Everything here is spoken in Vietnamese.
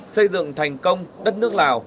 xây dựng thành công đất nước lào